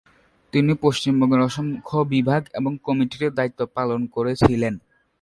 তিনি পশ্চিমবঙ্গের অসংখ্য বিভাগ এবং কমিটিতে দায়িত্ব পালন করেছিলেন।